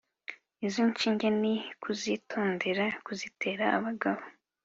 izo nshinge ni kuzitondera kuzitera abagabo